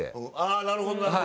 あなるほどなるほど。